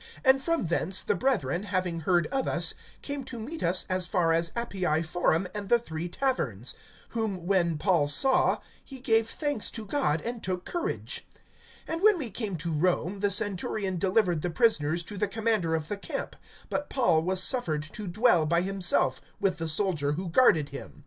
(15)And from thence, the brethren, having heard of us, came to meet us as far as Appii Forum, and the Three Taverns; whom when Paul saw, he gave thanks to God, and took courage. (16)And when we came to Rome, the centurion delivered the prisoners to the commander of the camp; but Paul was suffered to dwell by himself, with the soldier who guarded him.